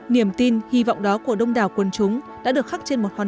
niềm tin hy vọng đó của đông đảo quân chúng đã được khắc trên một hoàn